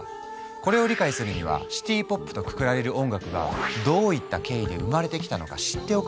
これを理解するにはシティ・ポップとくくられる音楽がどういった経緯で生まれてきたのか知っておく必要がある。